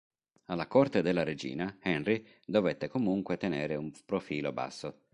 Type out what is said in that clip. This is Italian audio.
Alla corte della regina, Henry dovette comunque tenere un profilo basso.